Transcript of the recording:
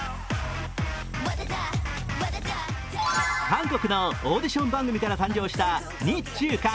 韓国のオーディション番組から誕生した日中韓